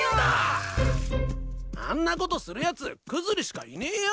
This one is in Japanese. あんなことするやつクズリしかいねえよ。